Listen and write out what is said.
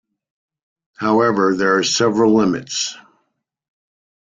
However, there are several limits.